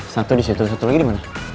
satu di situ satu lagi dimana